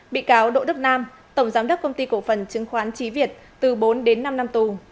bị cáo đỗ đức nam tổng giám đốc công ty cổ phần chứng khoán trí việt từ bốn đến năm năm tù